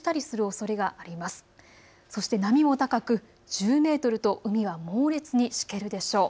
そして波も高く１０メートルと海が猛烈にしけるでしょう。